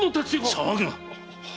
騒ぐな！